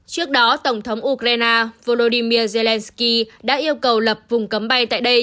trước đó tổng thống ukraine volodymyr zelensky đã yêu cầu lập vùng cấm bay tại đây